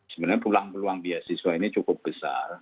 sebenarnya peluang peluang biaya siswa ini cukup besar